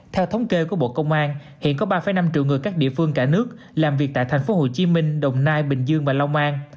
theo thống kê của bộ công an hiện có ba năm triệu người các địa phương cả nước làm việc tại thành phố hồ chí minh đồng nai bình dương và long an